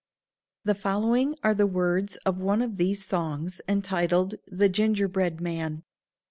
The following are the words of one of these songs, entitled, "The Ginger bread Man."